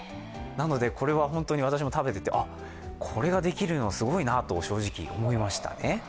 これは私も食べていて、これができるのはすごいなと、正直思いましたね。